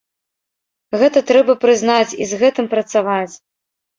Гэта трэба прызнаць, і з гэтым працаваць.